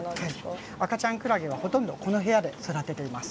赤ちゃんクラゲはほとんどこの部屋で育てています。